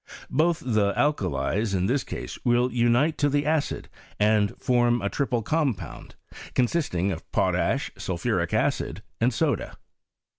Both the alkalies, in this case, will unite to the acid and form a triple compound, consisting of potash, sulphuric acid, and soda.